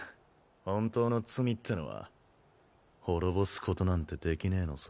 本当の罪ってのは滅ぼすことなんてできねぇのさ。